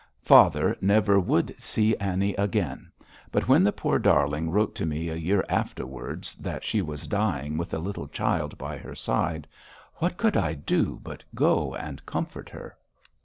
Father never would see Annie again, but when the poor darling wrote to me a year afterwards that she was dying with a little child by her side, what could I do but go and comfort her?